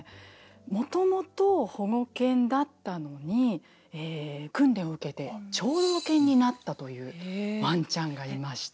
もともと保護犬だったのに訓練を受けて聴導犬になったというワンちゃんがいまして。